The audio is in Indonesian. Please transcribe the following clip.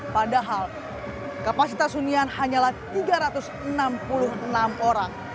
padahal kapasitas hunian hanyalah tiga ratus enam puluh enam orang